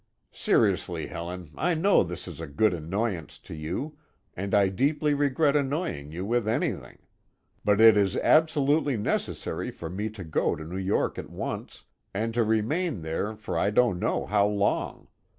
"Seriously, Helen, I know this is a great annoyance to you, and I deeply regret annoying you with anything. But it is absolutely necessary for me to go to New York at once, and to remain there for I don't know how long.